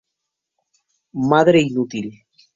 Madre inútil.